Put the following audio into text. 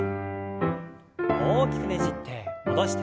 大きくねじって戻して。